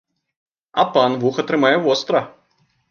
А пан вуха трымае востра!